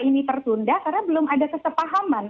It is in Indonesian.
ini tertunda karena belum ada kesepahaman